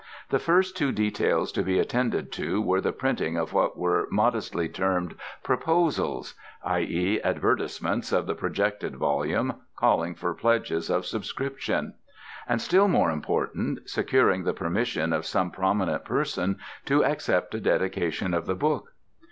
The first two details to be attended to were the printing of what were modestly termed Proposals—i.e., advertisements of the projected volume, calling for pledges of subscription—and, still more important, securing the permission of some prominent person to accept a dedication of the book.